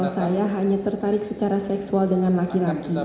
saya hanya tertarik secara seksual dengan laki laki